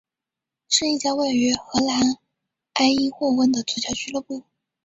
是一家位于荷兰埃因霍温的足球俱乐部。